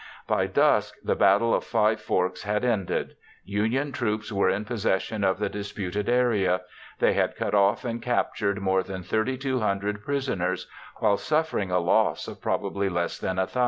By dusk, the Battle of Five Forks had ended. Union troops were in possession of the disputed area. They had cut off and captured more than 3,200 prisoners, while suffering a loss of probably less than 1,000.